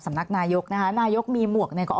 ทำไมรัฐต้องเอาเงินภาษีประชาชน